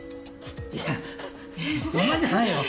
いやそんなんじゃないよ。